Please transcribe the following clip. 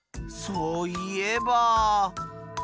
そういえば。